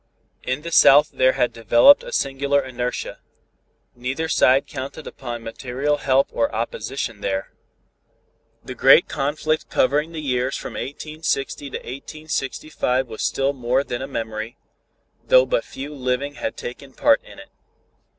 In the south there had developed a singular inertia. Neither side counted upon material help or opposition there. The great conflict covering the years from 1860 to 1865 was still more than a memory, though but few living had taken part in it.